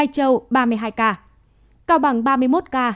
cao bằng ba mươi một ca